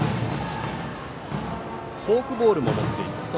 フォークボールも持っています。